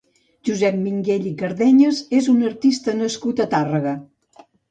Josep Minguell i Cardenyes és un artista nascut a Tàrrega.